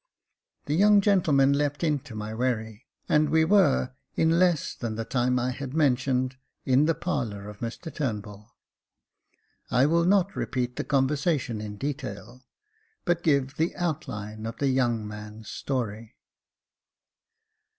The young gentleman leaped into my wherry, and we were, in less than the time I had mentioned, in the parlour of Mr Turnbull. I will not repeat the conversation in detail, but give the outline of the young man's story.